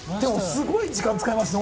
すごい時間使いますね